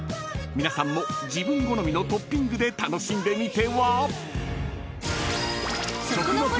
［皆さんも自分好みのトッピングで楽しんでみては？］